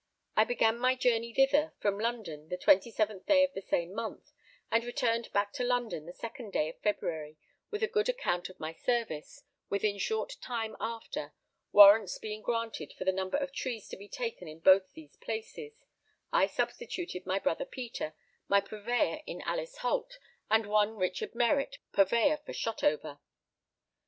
I began my journey thither from London the 27th day of the same month, and returned back to London the second day of February, with a good account of my service; within short time after, warrants being granted for the number of trees to be taken in both these places, I substituted my brother Peter, my purveyor in Alice Holt, and one Richard Meritt, purveyor for Shotover.